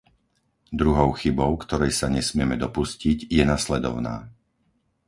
Druhou chybou, ktorej sa nesmieme dopustiť, je nasledovná.